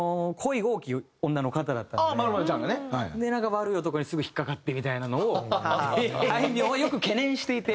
悪い男にすぐ引っかかってみたいなのをあいみょんはよく懸念していて。